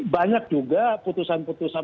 banyak juga putusan putusan